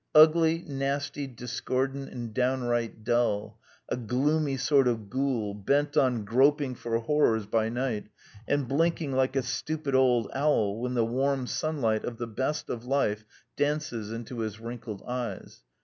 "Ugly, nasty, discordant, and downright dull. ... A gloomy sort of ghoul, bent on groping for horrors by night, and blinking like a stupid old owl when the warm sunlight of the best of life dances into his wrinkled eyes."